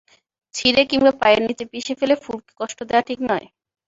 ছিঁড়ে কিংবা পায়ের নিচে পিষে ফেলে ফুলকে কষ্ট দেওয়া ঠিক নয়।